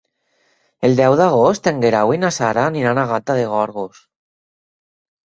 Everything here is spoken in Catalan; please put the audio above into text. El deu d'agost en Guerau i na Sara aniran a Gata de Gorgos.